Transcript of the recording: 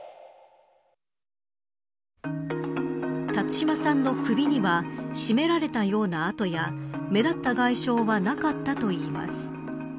辰島さんの首には絞められたような痕や目立った外傷はなかったといいます。